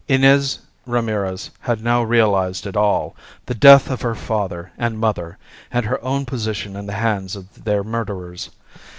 Inez Ramirez had now realized it all the death of her father and mother, and her own position in the hands of their murderers.